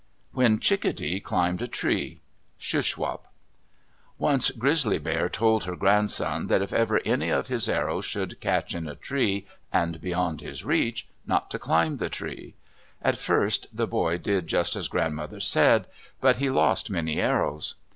WHEN CHICKADEE CLIMBED A TREE Shuswap Once Grizzly Bear told her grandson that if ever any of his arrows should catch in a tree, and beyond his reach, not to climb the tree. At first the boy did just as Grandmother said; but he lost many arrows.